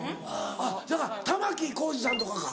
せやから玉置浩二さんとかか。